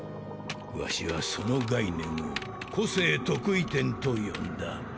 ワシはその概念を個性特異点と呼んだ。